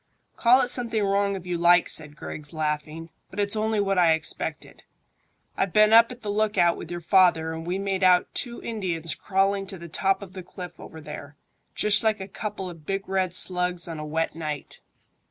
"Call it something wrong if you like," said Griggs, laughing; "but it's only what I expected. I've been up at the lookout with your father, and we made out two Indians crawling to the top of the cliff over there, just like a couple of big red slugs on a wet night."